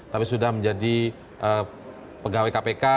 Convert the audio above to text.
tapi sudah menjadi pegawai kpk